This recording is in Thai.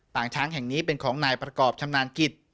งช้างแห่งนี้เป็นของนายประกอบชำนาญกิจ